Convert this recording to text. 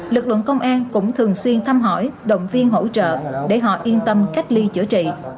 lực lượng công an cũng thường xuyên thăm hỏi động viên hỗ trợ để họ yên tâm cách ly chữa trị